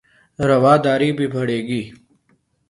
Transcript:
رواداری بھی بڑھے گی